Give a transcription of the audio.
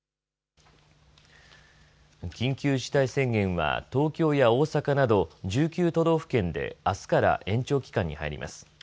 緊急事態宣言は東京や大阪など１９都道府県であすから延長期間に入ります。